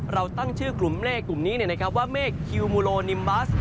เราตั้งชื่อกลุ่มเมฆกลุ่มนี้ว่าเมฆคิวมูโลนิมบัส